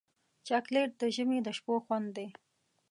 چاکلېټ د ژمي د شپو خوند دی.